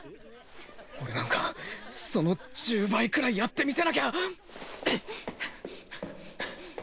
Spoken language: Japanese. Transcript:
俺なんかその１０倍くらいやってみせなきゃ！